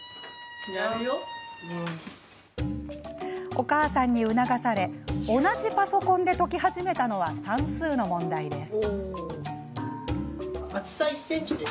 お母さんに促され同じパソコンで解き始めたのは算数の問題です。